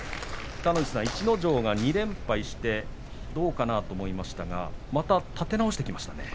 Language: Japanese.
北の富士さん、逸ノ城が２連敗してどうかなと思いましたがまた立て直してきましたね。